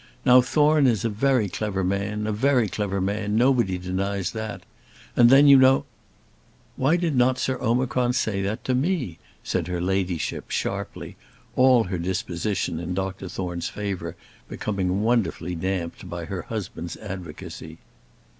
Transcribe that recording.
Now, Thorne is a clever man, a very clever man; nobody denies that; and then, you know " "Why did not Sir Omicron say that to me?" said her ladyship, sharply, all her disposition in Dr Thorne's favour becoming wonderfully damped by her husband's advocacy.